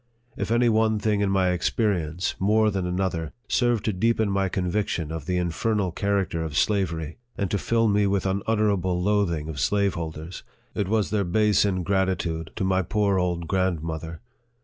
If any one thing in my experience, more than another, served to deepen my conviction of the infernal character of slavery, and to fill me with unutterable loathing of slaveholders, it was their base ingratitude to my poor old grandmother.